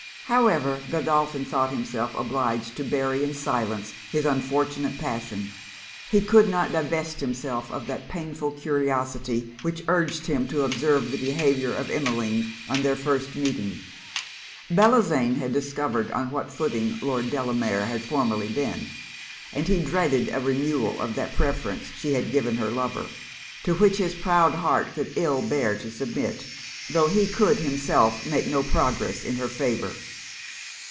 However Godolphin thought himself obliged to bury in silence his unfortunate passion, he could not divest himself of that painful curiosity which urged him to observe the behaviour of Emmeline on their first meeting. Bellozane had discovered on what footing Lord Delamere had formerly been; and he dreaded a renewal of that preference she had given her lover, to which his proud heart could ill bear to submit, tho' he could himself make no progress in her favour.